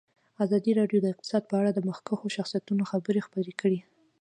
ازادي راډیو د اقتصاد په اړه د مخکښو شخصیتونو خبرې خپرې کړي.